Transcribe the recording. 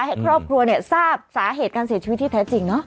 ให้ครอบครัวเนี่ยทราบสาเหตุการเสียชีวิตที่แท้จริงเนาะ